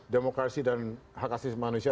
demokrasi dan hak asli manusia